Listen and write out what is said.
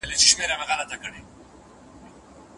رسول الله د قضاء یادونه په کوم اساس وکړه؟